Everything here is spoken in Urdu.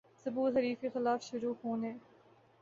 ضبوط حریف کے خلاف شروع ہونے